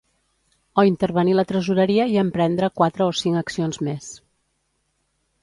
O intervenir la tresoreria i emprendre quatre o cinc accions més.